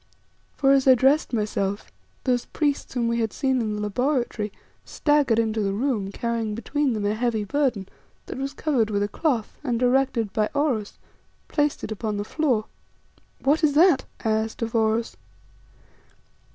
For as I dressed myself, those priests whom we had seen in the laboratory, staggered into the room carrying between them a heavy burden, that was covered with a cloth, and, directed by Oros, placed it upon the floor. "What is that?" I asked of Oros.